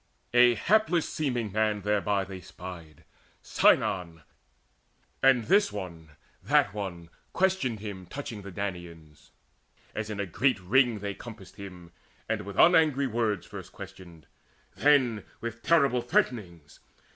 A hapless seeming man thereby they spied, Sinon; and this one, that one questioned him Touching the Danaans, as in a great ring They compassed him, and with unangry words First questioned, then with terrible threatenings.